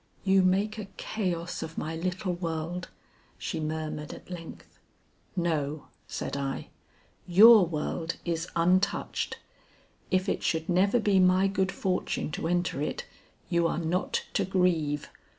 "You make a chaos of my little world," she murmured at length. "No," said I, "your world is untouched. If it should never be my good fortune to enter it, you are not to grieve.